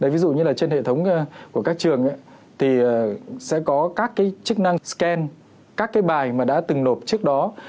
ví dụ như trên hệ thống của các trường thì sẽ có các chức năng scan các bài mà đã từng nộp trước đó